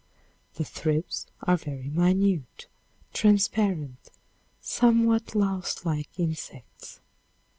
The thrips are very minute, transparent, somewhat louse like insects.